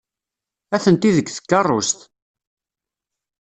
Atenti deg tkeṛṛust.